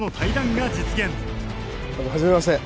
どうもはじめまして。